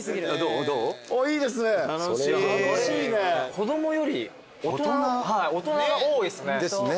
子供より大人が多いっすね。ですね。